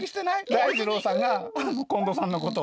大二郎さんが近藤さんのことを。